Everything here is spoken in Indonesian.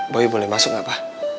boy boleh masuk gak pa